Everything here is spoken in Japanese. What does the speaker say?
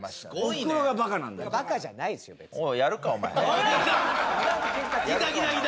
いやバカじゃないですよ別に。